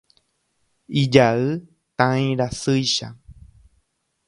Ijay tãi rasýicha.